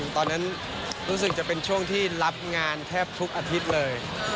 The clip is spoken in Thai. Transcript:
ตอนนั้นรู้สึกจะเป็นช่วงที่รับงานแทบทุกอาทิตย์เลย